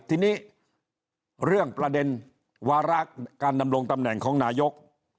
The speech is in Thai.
ทีนี้เรื่องประเด็นวาระการดำรงตำแหน่งของนายก